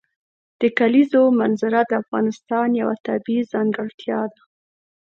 د کلیزو منظره د افغانستان یوه طبیعي ځانګړتیا ده.